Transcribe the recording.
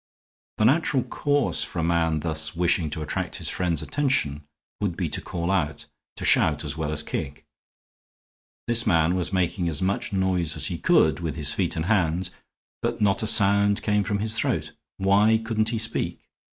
The natural course for a man thus wishing to attract his friends' attention would be to call out, to shout as well as kick. This man was making as much noise as he could with his feet and hands, but not a sound came from his throat. Why couldn't he speak?